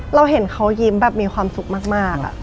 เราเห็นเขายิ้มแบบมีความสุขมาก